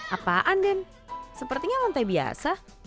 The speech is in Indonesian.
apaan den sepertinya lantai biasa